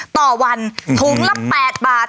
ต่อวันถุงละ๘บาท